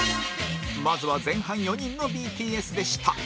まずは前半４人の ＢＴＳ でした